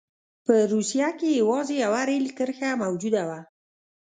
په روسیه کې یوازې یوه رېل کرښه موجوده وه.